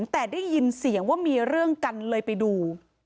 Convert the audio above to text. แต่ได้ยินเสียงว่ามีเรื่องกันเลยไปดู